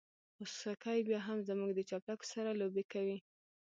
خوسکي بيا هم زموږ د چپلکو سره لوبې کوي.